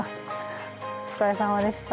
お疲れさまでした。